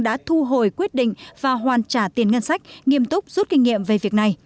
đã thu hồi quyết định và hoàn trả tiền ngân sách nghiêm túc rút kinh nghiệm về việc này